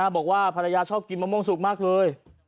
บอกว่าภรรยาชอบกินมะม่วงสุกมากเลย